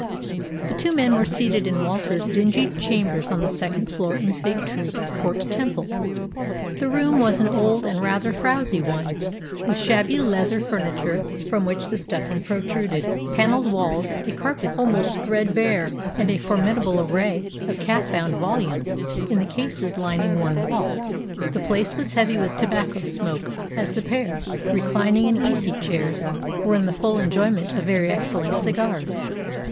The two men were seated in Walter's dingy chambers on the second floor in Fig Tree Court, Temple. The room was an old and rather frowsy one, with shabby leather furniture from which the stuffing protruded, panelled walls, a carpet almost threadbare, and a formidable array of calf bound volumes in the cases lining one wall. The place was heavy with tobacco smoke as the pair, reclining in easy chairs, were in the full enjoyment of very excellent cigars.